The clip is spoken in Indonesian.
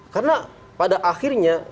karena pada akhirnya